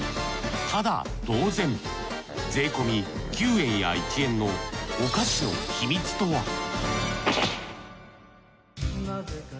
タダ同然税込み９円や１円のお菓子の秘密とは？